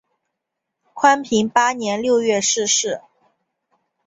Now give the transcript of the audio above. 宽平八年六月逝世。